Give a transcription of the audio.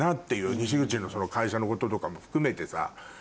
西口の会社のこととかも含めてさ。